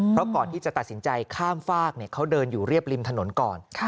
เพราะก่อนที่จะตัดสินใจข้ามฝากเขาเดินอยู่เรียบริมถนนก่อน